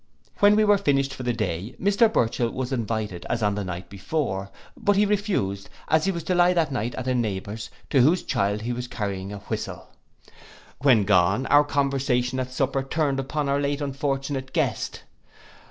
When we were finished for the day, Mr Burchell was invited as on the night before; but he refused, as he was to lie that night at a neighbour's, to whose child he was carrying a whistle. When gone, our conversation at supper turned upon our late unfortunate guest.